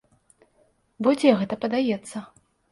Бо дзе гэта падаецца?